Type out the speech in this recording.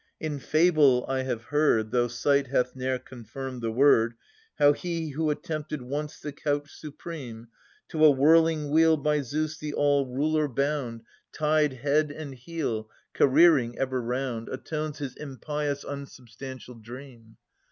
In fable I have heard, Though sight hath ne'er confirmed the word, How he who attempted once the couch supreme. To a whirling wheel by Zeus the all ruler bound, 680 716] Philodetes 291 Tied head and heel, careering ever round, Atones his impious unsubstantial dream.